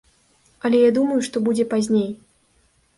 Але я думаю, што будзе пазней.